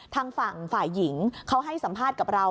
ทางฝั่งฝ่ายหญิงเขาให้สัมภาษณ์กับเรา